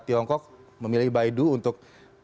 tiongkok memilih baidu untuk